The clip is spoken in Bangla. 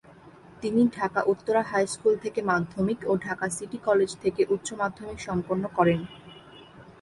তিনি ঢাকা উত্তরা হাইস্কুল থেকে মাধ্যমিক ও ঢাকা সিটি কলেজ থেকে উচ্চ মাধ্যমিক সম্পন্ন করেন।